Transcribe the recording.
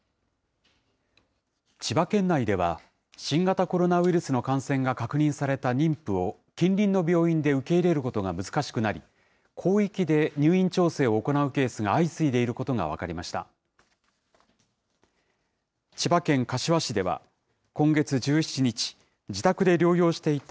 千葉県内では、新型コロナウイルスの感染が確認された妊婦を近隣の病院で受け入れることが難しくなり、広域で入院調整を行うケースが相次いでいることが分かりました。